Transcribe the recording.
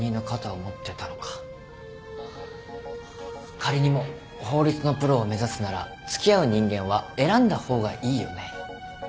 仮にも法律のプロを目指すなら付き合う人間は選んだ方がいいよね。